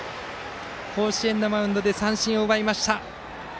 甲子園のマウンドで三振を奪いました。